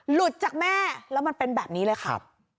หลุดจากแม่แล้วมันเป็นแบบนี้เลยครับ